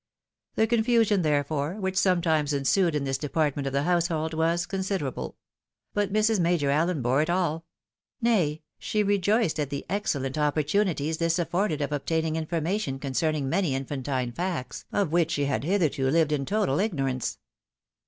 The confusion, therefore, which sometimes ensued in this department of the household, was considerable ; but Mrs. Major Allen bore it all ; nay, she rejoiced at the excellent opportuni ties this afforded of obtaining information concerning many infimtine facts, of which she had hitherto Uved in total igno rance.